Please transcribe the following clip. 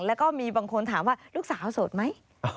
แล้วก็มีบางคนถามว่าลูกสาวโสดไหม